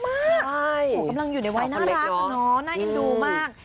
กำลังอยู่ในวัยน่ารักเนาะน่าอินดูมาก